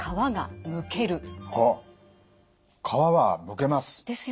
皮はむけます。